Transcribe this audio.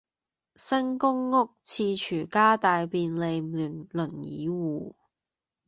新公屋廁廚加大便利輪椅戶